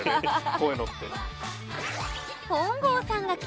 こういうのって。